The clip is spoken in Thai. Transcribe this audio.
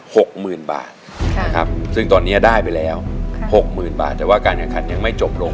หกหมื่นบาทค่ะนะครับซึ่งตอนเนี้ยได้ไปแล้วหกหมื่นบาทแต่ว่าการแข่งขันยังไม่จบลง